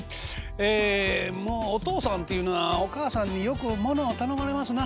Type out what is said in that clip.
ええもうおとうさんというのはおかあさんによくものを頼まれますな。